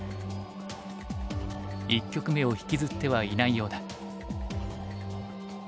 一局目を引きずってはいないようだ。